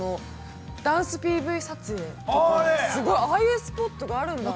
ダンスＰＶ撮影とか、ああいうスポットがあるんだと。